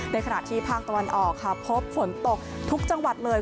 ขณะที่ภาคตะวันออกค่ะพบฝนตกทุกจังหวัดเลย